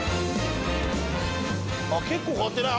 結構買ってない？